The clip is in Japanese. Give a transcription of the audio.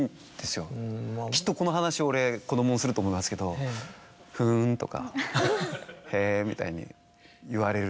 きっとこの話俺子供にすると思いますけど「ふん」とか「へぇ」みたいに言われる。